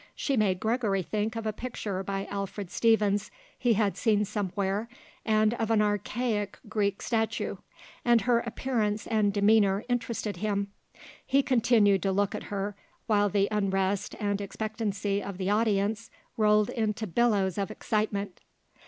She made Gregory think of a picture by Alfred Stevens he had seen somewhere and of an archaic Greek statue, and her appearance and demeanour interested him. He continued to look at her while the unrest and expectancy of the audience rolled into billows of excitement.